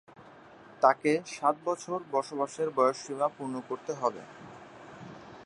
তাকে সাত বছর বসবাসের সময়সীমা পূর্ণ করতে হবে।